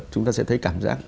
chúng ta sẽ thấy cảm giác